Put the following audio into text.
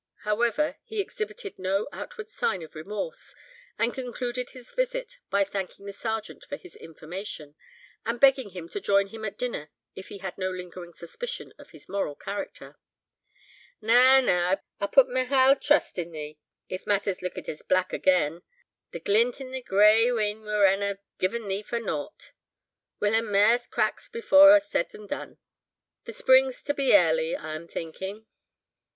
However, he exhibited no outward signs of remorse, and concluded his visit by thanking the Sergeant for his information, and begging him to join him at dinner if he had no lingering suspicion of his moral character. "Na! na! I'd pit ma haill trust in thee, if matters luikit as black again. The glint in thae grey 'een werena given thee for naught; we'll hae mair cracks before a's said and done; the spring's to be airly, I'm thinking."